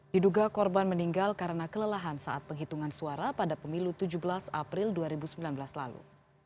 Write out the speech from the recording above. diduga korban meninggal karena kelelahan saat penghitungan suara pada pemilu tujuh belas april dua ribu sembilan belas lalu